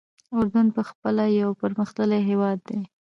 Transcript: اردن پخپله یو پرمختللی هېواد دی.